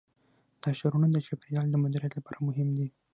دا ښارونه د چاپیریال د مدیریت لپاره مهم دي.